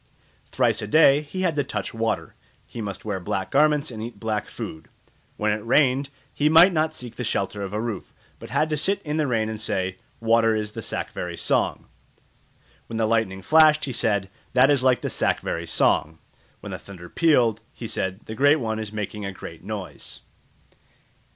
Thrice a day he had to touch water; he must wear black garments and eat black food; when it rained, he might not seek the shelter of a roof, but had to sit in the rain and say, "Water is the Sakvari¯ song"; when the lightning flashed, he said, "That is like the Sakvari¯ song"; when the thunder pealed, he said, "The Great One is making a great noise."